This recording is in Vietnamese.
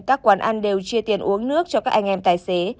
các quán ăn đều chia tiền uống nước cho các anh em tài xế